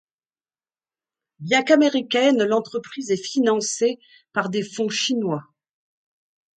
Bien qu'américaine, l'entreprise est financé par des fonds chinois.